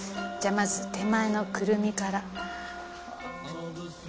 まず手前のくるみから。